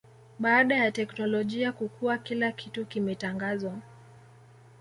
baada ya teknolojia kukua kila kitu kimetangazwa